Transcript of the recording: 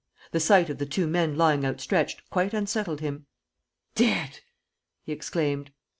The sight of the two men lying outstretched quite unsettled him. "Dead!" he exclaimed.